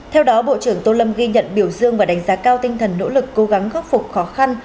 theo đó bộ trưởng tô lâm ghi nhận biểu dương và đánh giá cao tinh thần nỗ lực cố gắng khắc phục khó khăn